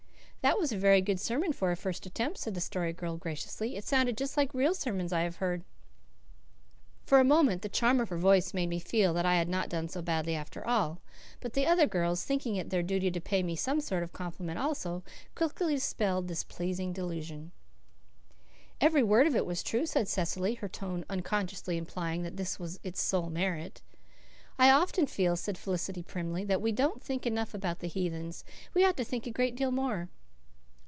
"That was a very good sermon for a first attempt," said the Story Girl graciously. "It sounded just like real sermons I have heard." For a moment the charm of her voice made me feel that I had not done so badly after all; but the other girls, thinking it their duty to pay me some sort of a compliment also, quickly dispelled that pleasing delusion. "Every word of it was true," said Cecily, her tone unconsciously implying that this was its sole merit. "I often feel," said Felicity primly, "that we don't think enough about the heathens. We ought to think a great deal more."